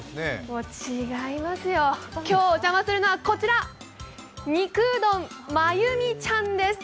違いますよ、今日お邪魔するのはこちら肉うどん、まゆみちゃんです。